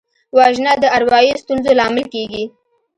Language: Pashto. وژنه د اروايي ستونزو لامل کېږي